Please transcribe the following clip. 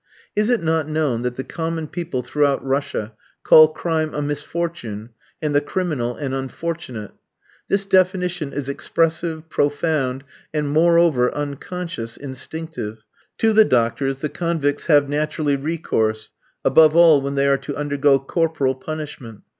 Is it not known that the common people throughout Russia call crime a "misfortune," and the criminal an "unfortunate"? This definition is expressive, profound, and, moreover, unconscious, instinctive. To the doctor the convicts have naturally recourse, above all when they are to undergo corporal punishment.